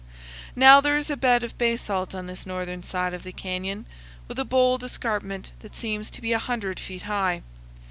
Now there is a bed of basalt on this northern side of the canyon, with a bold escarpment that seems to be a hundred feet high.